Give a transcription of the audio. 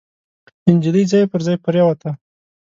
نجلۍ ځای پر ځای پريوته.